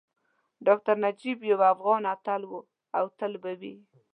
ډاکټر نجیب یو افغان اتل وو او تل به وي